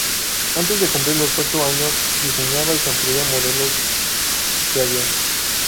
Antes de cumplir los ocho años, diseñaba y construía modelos de aviones.